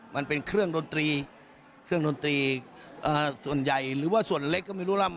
มันเป็นเครื่องดนตรีส่วนใหญ่หรือส่วนเล็กก็ไม่รู้ล่ะ